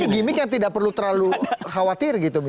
gimik yang tidak perlu terlalu khawatir gitu